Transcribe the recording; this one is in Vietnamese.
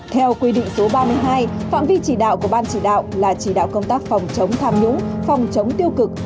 theo quy định số ba mươi hai phạm vi chỉ đạo của ban chỉ đạo là chỉ đạo công tác phòng chống tham nhũng phòng chống tiêu cực